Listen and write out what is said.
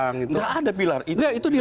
nggak ada pilar itu